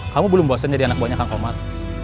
kamu belum bosan jadi anak buahnya kang komar